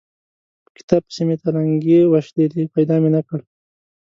په کتاب پسې مې تلنګې وشلېدې؛ پيدا مې نه کړ.